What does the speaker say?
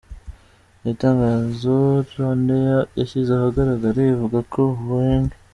Mu itangazo RwandAir yashyize ahagaragara, ivuga ko ubu Eng.